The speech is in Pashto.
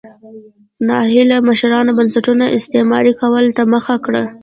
نااهله مشرانو بنسټونو استثماري کولو ته مخه کړه.